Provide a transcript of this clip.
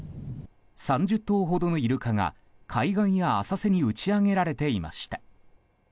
３０頭ほどのイルカが、海岸や浅瀬に打ち揚げられていました。